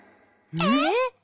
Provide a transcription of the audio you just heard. えっ？